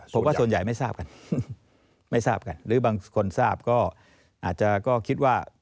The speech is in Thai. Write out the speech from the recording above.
ผมว่าส่วนใหญ่ไม่ทราบกันไม่ทราบกันหรือบางคนทราบก็อาจจะก็คิดว่า